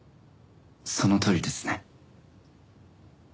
そのとおりですね。